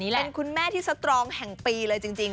เป็นคุณแม่ที่สตรองแห่งปีเลยจริง